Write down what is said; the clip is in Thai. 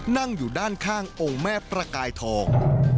นั่งอยู่ด้านข้างองค์แม่ประกายทอง